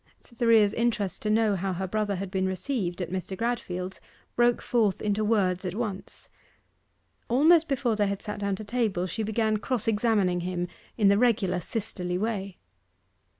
Cytherea's interest to know how her brother had been received at Mr. Gradfield's broke forth into words at once. Almost before they had sat down to table, she began cross examining him in the regular sisterly way.